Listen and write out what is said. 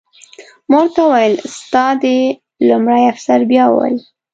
ما ورته وویل: ستا د... لومړي افسر بیا وویل.